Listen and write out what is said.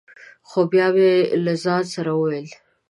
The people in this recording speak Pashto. خو بیا مې له ځان سره ویل: